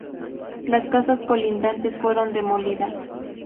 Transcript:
Las casas colindantes fueron demolidas.